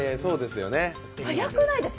速くないですか？